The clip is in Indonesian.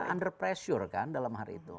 mereka under pressure kan dalam hari itu